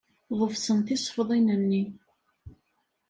Ḍefsen tisefḍin-nni.